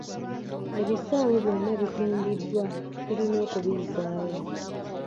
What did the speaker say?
Ebisaawe byonna bitundiddwa tulina okubizzaawo.